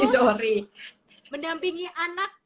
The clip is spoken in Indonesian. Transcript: harus mendampingi anak